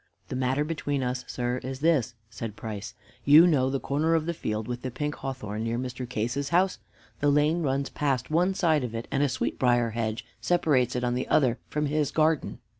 "The matter between us, sir, is this," said Price. "You know the corner of the field with the pink hawthorn near Mr. Case's house? The lane runs past one side of it and a sweetbrier hedge separates it on the other from his garden.